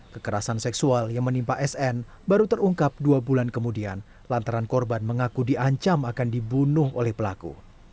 kekerasan seksual yang menimpa sn baru terungkap dua bulan kemudian lantaran korban mengaku diancam akan dibunuh oleh pelaku